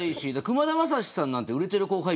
くまだまさしさんなんて売れてる後輩